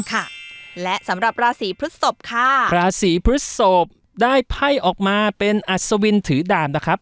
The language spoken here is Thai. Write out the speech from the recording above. ค่ะและสำหรับราศีพฤศพค่ะราศีพฤศพได้ไพ่ออกมาเป็นอัศวินถือดาบนะครับ